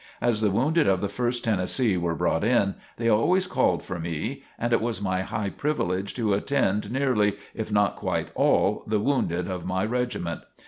As the wounded of the First Tennessee were brought in, they always called for me, and it was my high privilege to attend nearly, if not quite all, the wounded of my regiment.